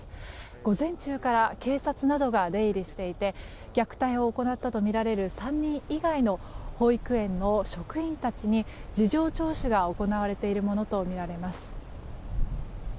午前中から警察などが出入りしていて虐待を行ったとみられる３人以外の保育園の職員たちに事情聴取が行われているものとみられます。